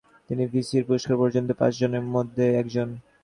তিনি ভিসির পুরস্কার প্রাপ্ত পাঁচ জনের মধ্যে একজন।